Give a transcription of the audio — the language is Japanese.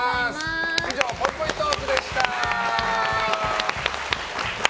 以上、ぽいぽいトークでした。